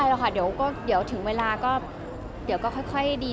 ไม่เป็นไรหรอกค่ะเดี๋ยวก็ถึงเวลาก็ค่อยดี